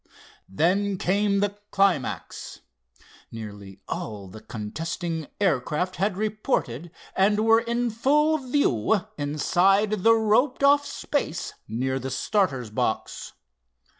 Then came the climax. Nearly all the contesting air craft had reported, and were in full view inside the roped off space near the starter's box.